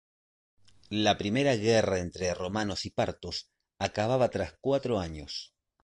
La primera guerra entre romanos y partos acababa tras cuatro años.